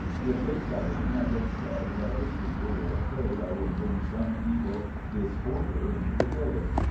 The Sheik Salem then said, that his people were afraid I would bring some evil disorder into the village.